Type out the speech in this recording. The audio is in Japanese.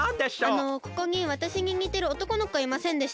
あのここにわたしににてるおとこのこいませんでした？